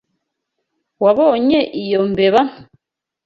Wabonye iyo mbeba nto?